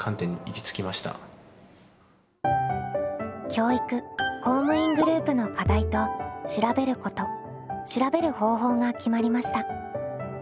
教育・公務員グループの「課題」と「調べること」「調べる方法」が決まりました。